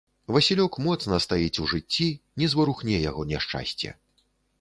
Васілёк моцна стаіць у жыцці, не зварухне яго няшчасце.